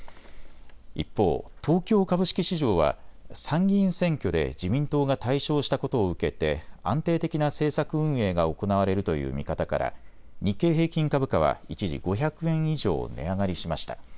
一方、東京株式市場は参議院選挙で自民党が大勝したことを受けて安定的な政策運営が行われるという見方から日経平均株価は一時、５００円以上値上がりしました。